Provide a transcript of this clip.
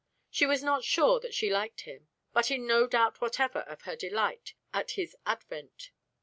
She was not sure that she liked him, but in no doubt whatever of her delight at his advent.